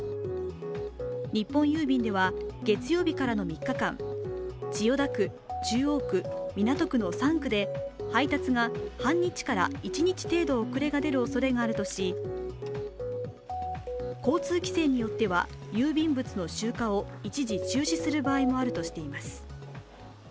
日本郵便では月曜日からの３日間、千代田区、中央区、港区の３区で配達が半日から一日程度の遅れが出るおそれがあるとし交通規制によっては郵便物の集荷を一時中止する場合もあるとしています。